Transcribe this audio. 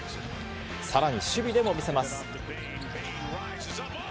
さらに守備でも見せます。